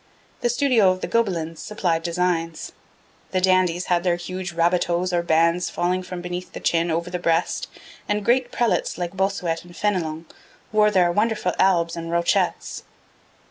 The studio of the Gobelins supplied designs. The dandies had their huge rabatos or bands falling from beneath the chin over the breast, and great prelates, like Bossuet and Fenelon, wore their wonderful albs and rochets.